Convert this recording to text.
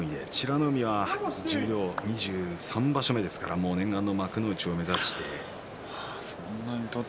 海は十両、２３場所目念願の幕内を目指して。